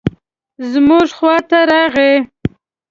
زموږ خواته راغی.